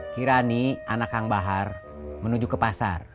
kirani anak kang bahar menuju ke pasar